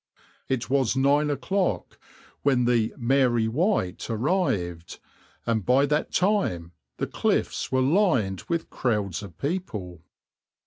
It was nine o'clock when the {\itshape{Mary White}} arrived, and by that time the cliffs were lined with crowds of people.